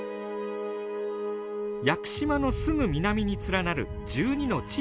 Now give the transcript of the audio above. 屋久島のすぐ南に連なる１２の小さな島々。